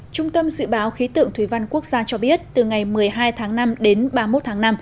trung tâm dự báo khí tượng thủy văn quốc gia cho biết từ ngày một mươi hai tháng năm đến ba mươi một tháng năm